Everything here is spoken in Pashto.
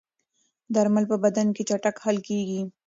درمل په بدن کې چټک حل کېږي.